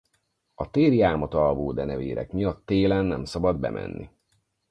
A téli álmot alvó denevérek miatt télen nem szabad bemenni.